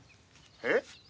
「えっ？